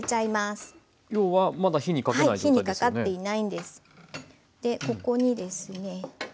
でここにですね